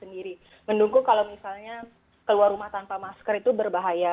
mendukung kalau misalnya keluar rumah tanpa masker itu berbahaya